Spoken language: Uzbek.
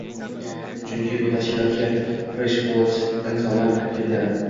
Chunki bu tashkilotga «Freshblood» insonlar kirib keldi.